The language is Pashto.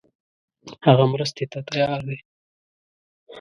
هغه مرستې ته تیار دی.